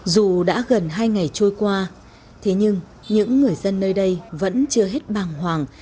dù đã gần hai ngày trôi qua thế nhưng những người dân nơi đây vẫn chưa hết bàng hoàng